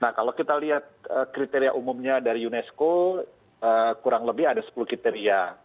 nah kalau kita lihat kriteria umumnya dari unesco kurang lebih ada sepuluh kriteria